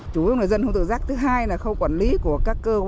chủ yếu của người dân không tự rác thứ hai là khâu quản lý của các cơ